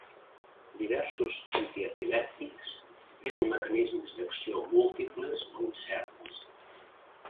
Diversos antiepilèptics tenen mecanismes d'acció múltiples o incerts.